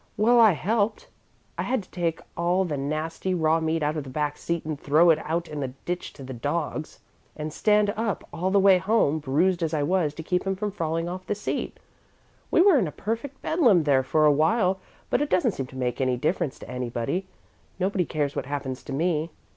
"Well, I helped. I had to take all that nasty raw meat out of the back seat and throw it out in the ditch to the dogs, and stand up all the way home, bruised as I was, to keep him from falling off the seat. We were in a perfect bedlam there for a while, but it doesn't seem to make any difference to anybody. Nobody cares what happens to me."